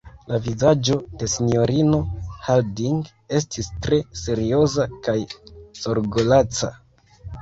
La vizaĝo de sinjorino Harding estis tre serioza kaj zorgolaca.